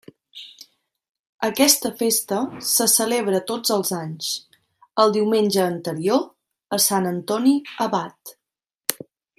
Aquesta festa se celebra tots els anys, el diumenge anterior a Sant Antoni Abat.